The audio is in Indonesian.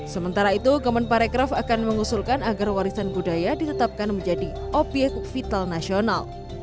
sementara itu kemen parekraf akan mengusulkan agar warisan budaya ditetapkan menjadi objek vital nasional